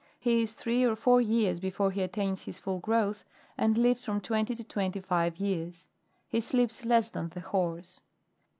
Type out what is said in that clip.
He is three or four years before he attains his full growth, and lives from twenty to twenty five years ; he sleeps less than the horse.